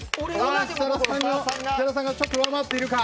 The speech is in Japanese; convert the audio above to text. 設楽さんがちょっと上回っているか。